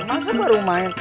masa baru main